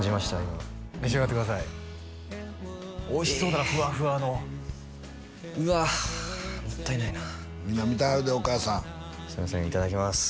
今召し上がってくださいおいしそうだなふわふわのうわもったいないな皆見てはるでお母さんすいませんいただきます